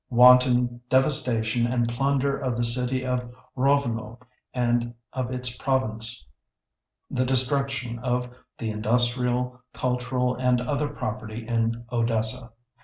Wanton devastation and plunder of the city of Rovno and of its province. The destruction of the industrial, cultural, and other property in Odessa.